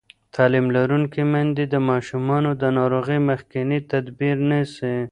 تعلیم لرونکې میندې د ماشومانو د ناروغۍ مخکینی تدبیر نیسي.